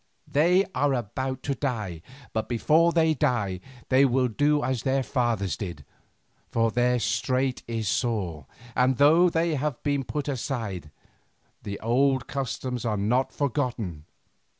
They are about to die, but before they die they will do as their fathers did, for their strait is sore, and though they have been put aside, the old customs are not forgotten."